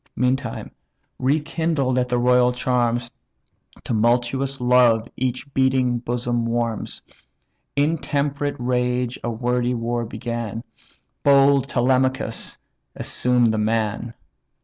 Meantime, rekindled at the royal charms, Tumultuous love each beating bosom warms; Intemperate rage a wordy war began; But bold Telemachus assumed the man.